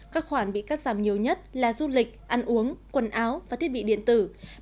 các khoản bị cắt giảm nhiều nhất là du lịch ăn uống quần áo và thiết bị điện tử